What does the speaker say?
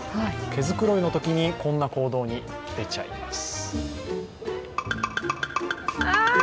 毛繕いのときに、こんな行動に出ちゃいます。